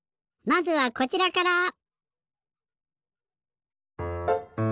まずはこちらから。